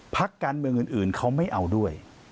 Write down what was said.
พักการเมืองอื่นเขาไม่เอาด้วย